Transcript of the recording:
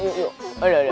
aduh aduh aduh